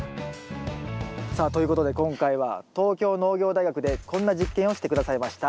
さあということで今回は東京農業大学でこんな実験をして下さいました。